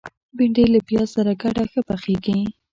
بېنډۍ له پیاز سره ګډه ښه پخیږي